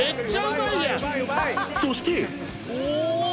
［そして］